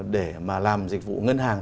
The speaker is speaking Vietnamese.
để mà làm dịch vụ ngân hàng